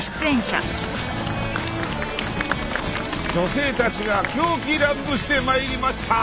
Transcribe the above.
女性たちが狂喜乱舞してまいりました。